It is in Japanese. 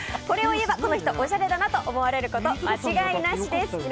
これを言えばこの人おしゃれだなと思われること間違いなしです。